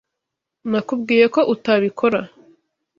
Nakubwiye ko utabikora.